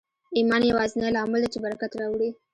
ایمان یوازېنی لامل دی چې برکت راوړي